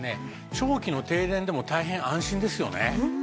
長期の停電でも大変安心ですよね。